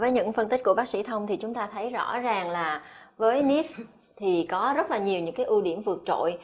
với những phân tích của bác sĩ thông thì chúng ta thấy rõ ràng là với nip thì có rất là nhiều những cái ưu điểm vượt trội